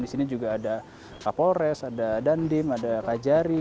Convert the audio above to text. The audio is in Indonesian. di sini juga ada kapolres ada dandim ada kajari